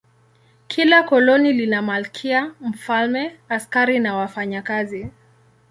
Kila koloni lina malkia, mfalme, askari na wafanyakazi.